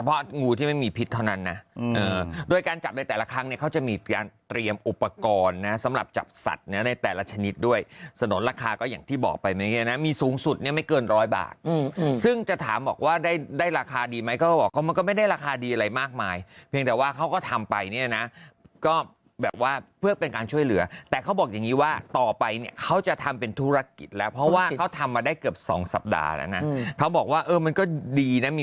เพราะงูที่ไม่มีพิษเท่านั้นนะเออโดยการจับในแต่ละครั้งเนี่ยเขาจะมีการเตรียมอุปกรณ์นะสำหรับจับสัตว์เนี่ยในแต่ละชนิดด้วยสนุนราคาก็อย่างที่บอกไปไหมเนี่ยนะมีสูงสุดเนี่ยไม่เกินร้อยบาทอืมอืมซึ่งจะถามบอกว่าได้